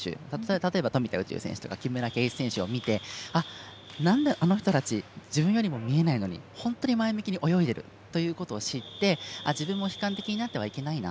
例えば富田宇宙選手とか木村敬一選手を見てあの人たち自分よりも見えないのに、本当に前向きに泳いでいるということを知って、自分も悲観的になってはいけないな